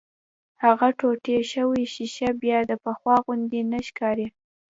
هغه ټوټې شوې ښيښه بيا د پخوا غوندې نه ښکاري.